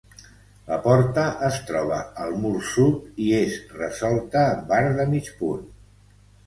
La porta es troba al mur sud i és resolta amb arc de mig punt.